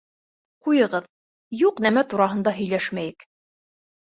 Ҡуйығыҙ, юҡ нәмә тураһында һөйләшмәйек!